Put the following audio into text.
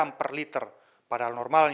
kondisi kondisi tersebut menunjukkan